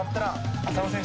浅野選手？